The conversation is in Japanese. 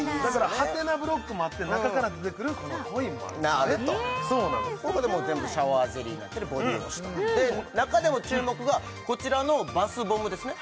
ハテナブロックもあって中から出てくるこのコインもあるこれも全部シャワージェリーになってるボディウォッシュと中でも注目がこちらのバスボムですね